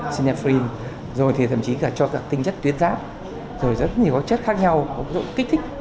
xinephrine rồi thì thậm chí cho các tinh chất tuyết giác rồi rất nhiều chất khác nhau kích thích